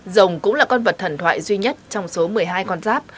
rồng cũng là con vật thần thoại duy nhất trong số một mươi hai con giáp